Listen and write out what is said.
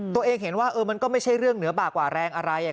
ตัวเองเห็นว่าเออมันก็ไม่ใช่เรื่องเหนือบากกว่าแรงอะไร